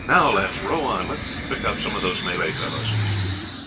"Now, lads, row on; let's pick up some of those Malay fellows."